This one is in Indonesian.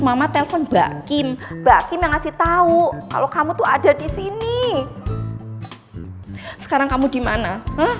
mama telepon bakin bakin yang ngasih tahu kalau kamu tuh ada di sini sekarang kamu dimana hah